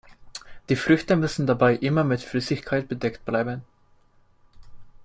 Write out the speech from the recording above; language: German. Die Früchte müssen dabei immer mit Flüssigkeit bedeckt bleiben.